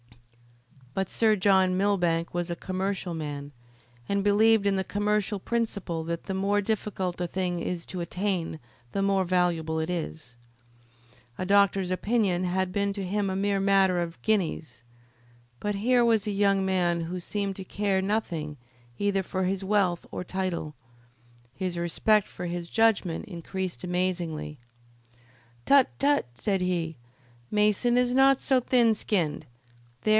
But Sir John Millbank was a commercial man, and believed in the commercial principle that the more difficult a thing is to attain the more valuable it is. A doctor's opinion had been to him a mere matter of guineas. But here was a young man who seemed to care nothing either for his wealth or title. His respect for his judgment increased amazingly. "Tut! tut!" said he; "Mason is not so thin skinned. There!